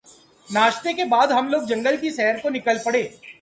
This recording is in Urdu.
ناشتے کے بعد ہم لوگ جنگل کی سیر کو نکل پڑے